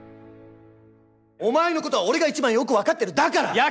お前の事は俺が一番よくわかってる！だから。